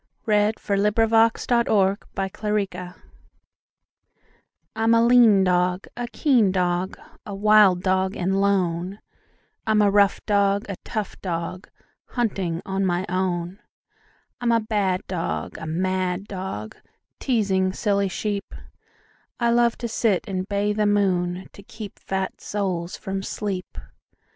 Irene Rutherford Mcleodb. 1891 Lone Dog I'M a lean dog, a keen dog, a wild dog, and lone; I'm a rough dog, a tough dog, hunting on my own; I'm a bad dog, a mad dog, teasing silly sheep;I love to sit and bay the moon, to keep fat souls from sleep.